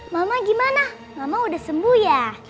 maf siapa yang datang lee lindsey